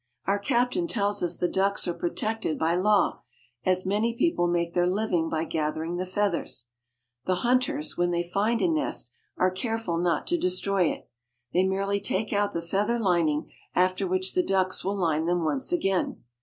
Our captain tells us the ducks are protected by law, as many people make their living by gathering the feathers. The hunters, when they find a nest, are careful not to de stroy it. They merely take out the feather lining, after which the ducks will line them once again.